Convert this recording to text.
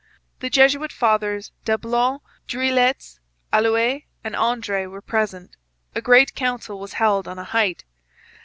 The Jesuit fathers Dablon, Dreuillettes, Allouez, and Andre were present. A great council was held on a height.